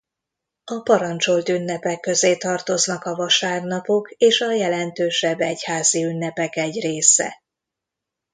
A parancsolt ünnepek közé tartoznak a vasárnapok és a jelentősebb egyházi ünnepek egy része.